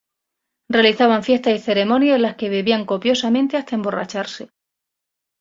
Realizaban fiestas y ceremonias en las que bebían copiosamente hasta emborracharse.